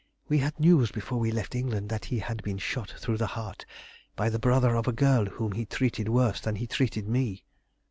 We had news before we left England that he had been shot through the heart by the brother of a girl whom he treated worse than he treated me."